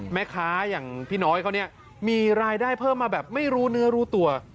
แม่ค้าอย่างพี่น้อยเขาเนี่ยมีรายได้เพิ่มมาแบบไม่รู้เนื้อรู้ตัว